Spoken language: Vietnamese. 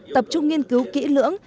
tập trung nghiên cứu kỹ lưỡng